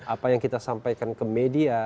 apa yang kita sampaikan ke media